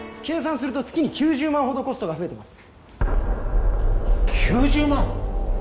計算すると月に９０万ほどコストが増えてます９０万！？